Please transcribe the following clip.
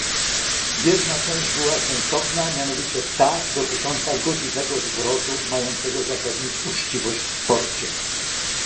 Jedna część była sensowna, mianowicie ta dotycząca godziwego zwrotu mającego zapewnić uczciwość w sporcie